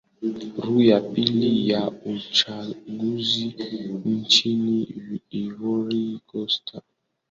ru ya pili ya uchaguzi nchini ivory coast kufanyika tarehe ishirini na nane